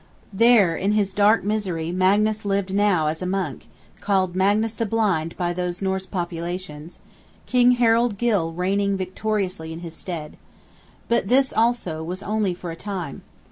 There in his dark misery Magnus lived now as a monk; called "Magnus the Blind" by those Norse populations; King Harald Gylle reigning victoriously in his stead. But this also was only for a time.